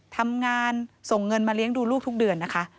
ทำงานส่งเงินมาเลี้ยงดูลูกทุกเดือนนะคะ